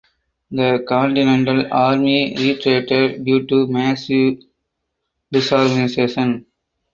The Continental Army retreated due to massive disorganization.